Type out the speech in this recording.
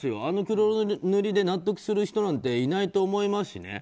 あの黒塗りで納得する人なんていないと思いますし。